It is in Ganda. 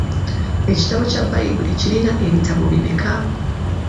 Ekitabo kya Bbayibuli kirina ebitabo bimeka?